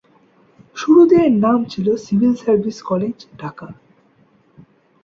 শুরুতে এর নাম ছিল সিভিল সার্ভিস কলেজ, ঢাকা।